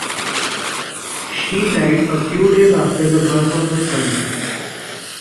She died a few days after the birth of her son.